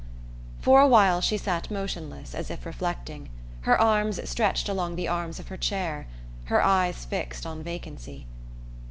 For a while she sat motionless, as if reflecting, her arms stretched along the arms of her chair, her eyes fixed on vacancy.